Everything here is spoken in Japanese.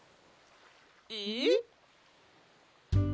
えっ？